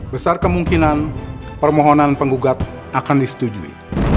besar kemungkinan permohonan penggugat akan disetujui